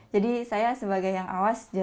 jadi saya sebagai yang awas